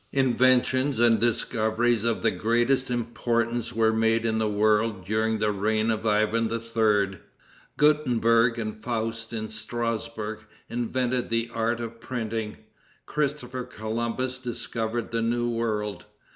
Inventions and discoveries of the greatest importance were made in the world during the reign of Ivan III. Gutenberg and Faust in Strasbourg invented the art of printing. Christopher Columbus discovered the New World.